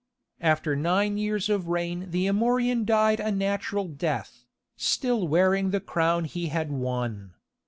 _) After nine years of reign the Amorian died a natural death, still wearing the crown he had won.